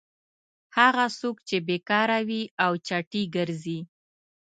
هغه څوک چې بېکاره وي او چټي ګرځي.